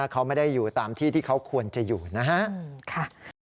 เขาไม่ได้อยู่ตามที่ที่เขาควรจะอยู่นะครับ